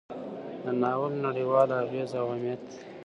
د ناول نړیوال اغیز او اهمیت: